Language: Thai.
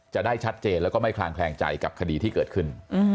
จะได้ชัดเจนแล้วก็ไม่คลางแคลงใจกับคดีที่เกิดขึ้น